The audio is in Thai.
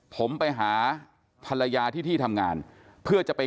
ผมไปหาภรรยาที่ที่ทำงานเพื่อจะไป